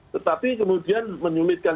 tetapi kemudian menyulitkan